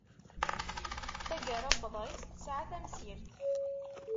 Tagara n uḍris tesɛa tamsirt.